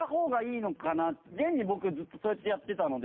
現に僕ずっとそうやってやってたので。